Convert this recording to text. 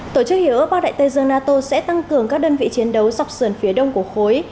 tổ chức hiểu ước bắc đại tây dương nato sẽ tăng cường các đơn vị chiến đấu dọc sườn phía đông của khối